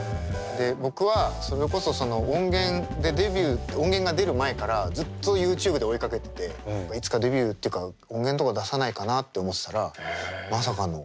で僕はそれこそ音源でデビュー音源が出る前からずっとＹｏｕＴｕｂｅで追いかけてていつかデビューっていうか音源とか出さないかなって思ってたらまさかの。